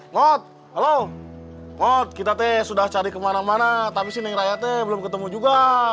ngot halo ngot kita teh sudah cari kemana mana tapi si neng raya belum ketemu juga